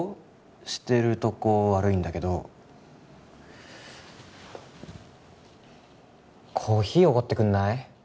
してるとこ悪いんだけどコーヒーおごってくんない？